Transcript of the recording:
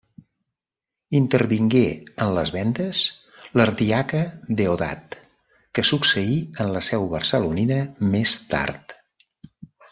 Intervingué en les vendes l'ardiaca Deodat que succeí en la seu barcelonina més tard.